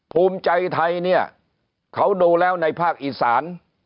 ภูมิใจไทยเนี่ยเขาดูแล้วในภาคอีสาน